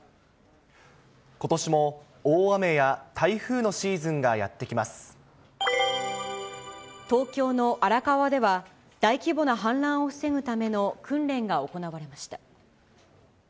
ことしも大雨や台風のシーズ東京の荒川では、大規模な氾濫を防ぐための訓練が行われました。